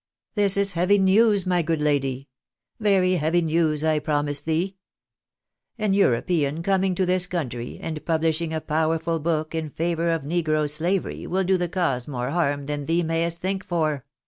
" This is heavy news, my good lady ; very heavy news, I promise thee. An European coming to this country and pubhshing a power ful book in favour of negro slavery will do the cause more harm than thee may'st think for.